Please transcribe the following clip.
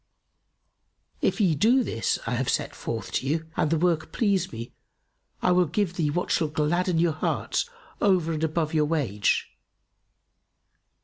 If ye do this I have set forth to you and the work please me, I will give you what shall gladden your hearts, over and above your wage."